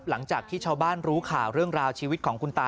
หลังจากที่ชาวบ้านรู้ข่าวเรื่องราวชีวิตของคุณตา